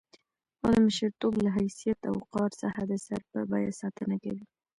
او د مشرتوب له حيثيت او وقار څخه د سر په بيه ساتنه کوي.